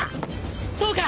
そうか！